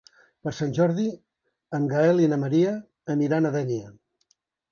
Per Sant Jordi en Gaël i na Maria aniran a Dénia.